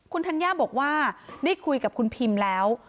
คุณธัญญาบอกว่าได้คุยกับคุณพิมแล้ว